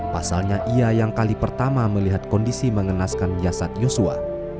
pasalnya ia yang kali pertama melihat kondisi mengenaskan jasad yosua